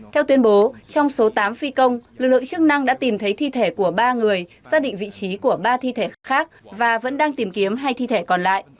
theo tuyên bố trong số tám phi công lực lượng chức năng đã tìm thấy thi thể của ba người xác định vị trí của ba thi thể khác và vẫn đang tìm kiếm hai thi thể còn lại